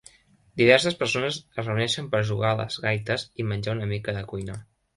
Diverses persones es reuneixen per jugar a les gaites i menjar una mica de cuina